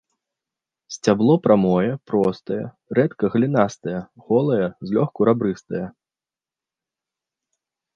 Сцябло прамое, простае, рэдка галінастае, голае, злёгку рабрыстае.